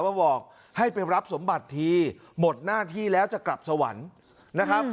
บอกให้ไปรับสมบัติทีหมดหน้าที่แล้วจะกลับสวรรค์นะครับ